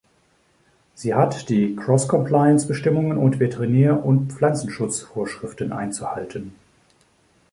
Sie hat die Cross-Compliance Bestimmungen und Veterinär- und Pflanzenschutzvorschriften einzuhalten.